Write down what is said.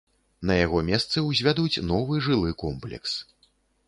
На яго месцы ўзвядуць новы жылы комплекс.